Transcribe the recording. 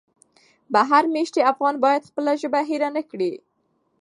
بهر مېشتي افغانان باید خپله ژبه هېره نه کړي.